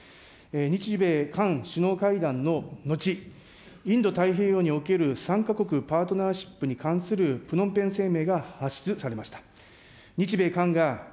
日米韓首脳会談の後、インド太平洋における３か国パートナーシップに関するプノンペン声明が発出されました。